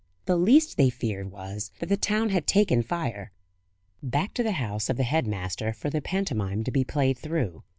The least they feared was, that the town had taken fire. Back to the house of the head master for the pantomime to be played through.